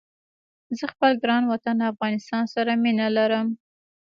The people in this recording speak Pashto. زه خپل ګران وطن افغانستان سره مينه ارم